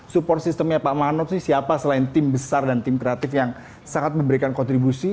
support systemnya pak manok sih siapa selain tim besar dan tim kreatif yang sangat memberikan kontribusi